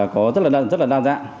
có rất là đa dạng rất là đa dạng